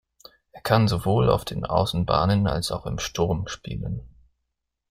Er kann sowohl auf den Außenbahnen als auch im Sturm spielen.